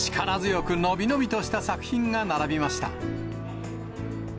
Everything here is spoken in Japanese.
力強く伸び伸びとした作品が並びました。